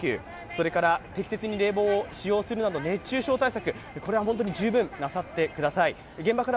それから、適切に冷房を使用するなど熱中症対策、これは本当に十分なさってください。